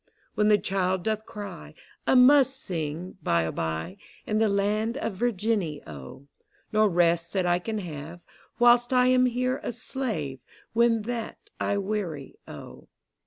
When the child doth cry, I must sing, By a by, In the land of Virginny, O: No rest that I can have Whilst I am here a slave, When that I weary, O.